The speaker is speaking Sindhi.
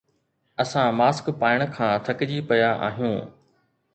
اسان ماسڪ پائڻ کان ٿڪجي پيا آهيون